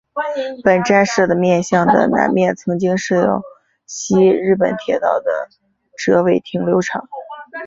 本站舍的面向的南面曾经设有西日本铁道的折尾停留场。